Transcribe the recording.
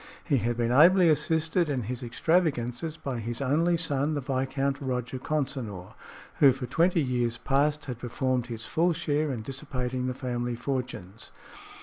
He had been ably assisted in his extravagances by his only son, the Viscount Roger Consinor, who for twenty years past had performed his full share in dissipating the family fortunes.